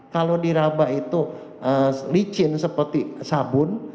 kalau di raba itu licin seperti sabun